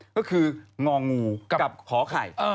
ก็คืององูกับหอไข่